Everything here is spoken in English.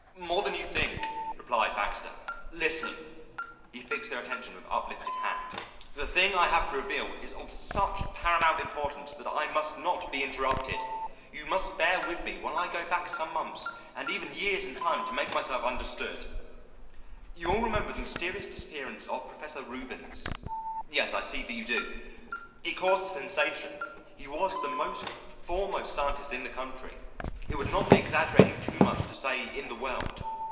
"More than you think," replied Baxter. "Listen!" He fixed their attention with uplifted hand. "The thing I have to reveal is of such paramount importance that I must not be interrupted. You must bear with me while I go back some months and even years in time to make myself understood. "You all remember the mysterious disappearance of Professor Reubens. Yes, I see that you do. It caused a sensation. He was the foremost scientist in the country it would not be exaggerating too much to say in the world.